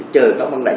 chơi có vấn đề